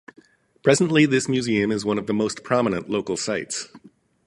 Presently, this museum is one of the most prominent local sights.